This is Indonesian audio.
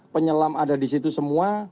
penyelam ada di situ semua